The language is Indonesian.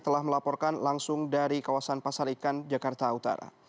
terima kasih pak omad